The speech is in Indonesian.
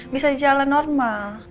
biar cepet bisa jalan normal